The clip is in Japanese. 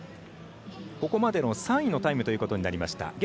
ここまでの３位のタイムということになりました。